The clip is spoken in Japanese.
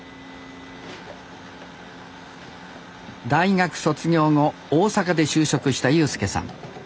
大学卒業後大阪で就職した悠介さん。